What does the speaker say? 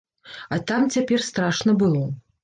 А там цяпер страшна было.